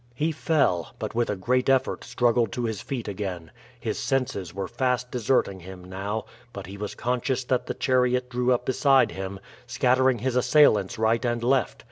He fell, but with a great effort struggled to his feet again; his senses were fast deserting him now, but he was conscious that the chariot drew up beside him, scattering his assailants right and left.